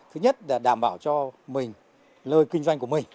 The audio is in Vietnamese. thứ nhất là đảm bảo cho mình lời kinh doanh của mình